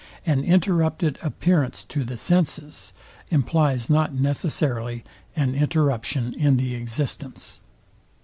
An interrupted appearance to the senses implies not necessarily an interruption in the existence.